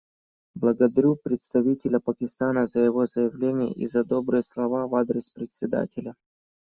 Благодарю представителя Пакистана за его заявление и за добрые слова в адрес Председателя.